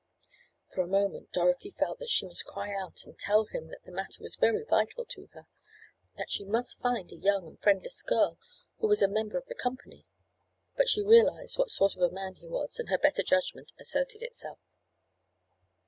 For a moment Dorothy felt that she must cry out and tell him that the matter was very vital to her—that she must find a young and friendless girl who was a member of the company; but she realized what sort of a man he was and her better judgment asserted itself.